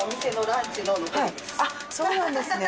あっそうなんですね。